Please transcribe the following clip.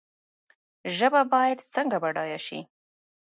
ژبه باید څنګه بډایه شي؟